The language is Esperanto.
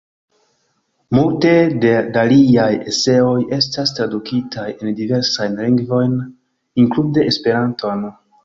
Multe da liaj eseoj estas tradukitaj en diversajn lingvojn, inklude Esperanton.